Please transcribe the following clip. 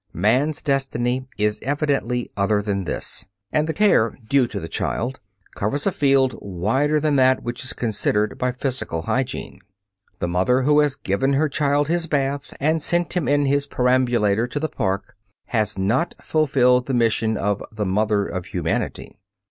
Man's destiny is evidently other than this, and the care due to the child covers a field wider than that which is considered by physical hygiene. The mother who has given her child his bath and sent him in his perambulator to the park has not fulfilled the mission of the "mother of humanity."